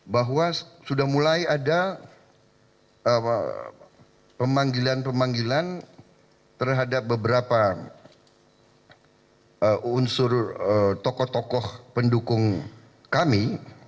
bahwa sudah mulai ada pemanggilan pemanggilan terhadap beberapa unsur tokoh tokoh pendukung kami